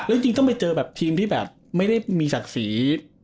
แล้วจริงต้องไปเจอแบบทีมที่แบบไม่ได้มีศักดิ์ศรี